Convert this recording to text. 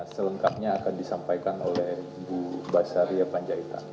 selengkapnya akan disampaikan oleh bu basaria panjaitan